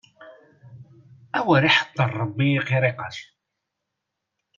Awer iḥeddaṛ Ṛebbi i qiriqac.